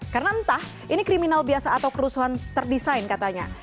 karena entah ini kriminal biasa atau kerusuhan terdesain katanya